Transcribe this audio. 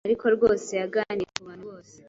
Ariko rwose yaganiriye kubantu bose